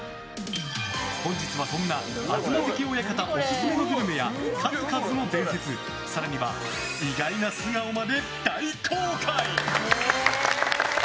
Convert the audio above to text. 本日はそんな東関親方オススメのグルメや数々の伝説更には意外な素顔まで大公開！